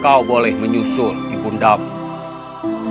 kau boleh menyusul ibu ndamu